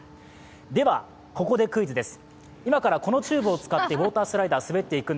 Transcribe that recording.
では、ここでクイズです。